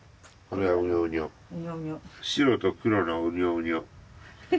「白と黒のうにょうにょ」。